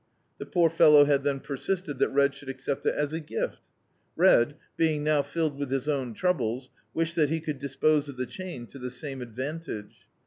The poor fellow had then per sisted that Red should accept it as a gift Red, being now filled with his own troubles, wished that he could dispose of the chain to the same advantage.